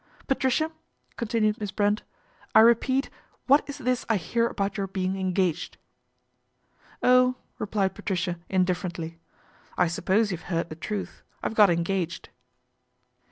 " Patricia," continued Miss Brent, " I repeat, what is this I hear about your being engaged ?" "Oh!" replied Patricia indifferently, "I sup pose you've heard the truth; I've got engaged."